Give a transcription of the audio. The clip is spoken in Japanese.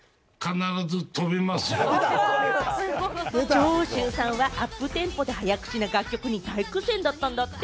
長州さんはアップテンポで早口な楽曲に大苦戦だったんだって。